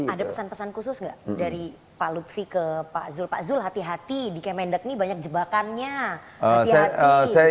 ada pesan pesan khusus nggak dari pak lutfi ke pak zul pak zul hati hati di kemendak ini banyak jebakannya hati hati